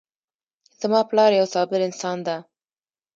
زما پلار یو صابر انسان ده